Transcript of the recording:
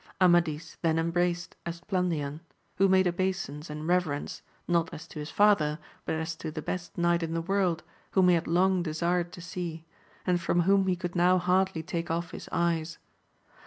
Amadis then embraced Esplandian, who made obeisance and reverence, not as to his father, but as to the best knight in the world, whom he had long desired to see, and from whom he could now hardly take off his 'eyes.